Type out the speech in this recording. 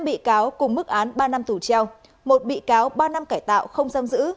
năm bị cáo cùng mức án ba năm tù treo một bị cáo ba năm cải tạo không giam giữ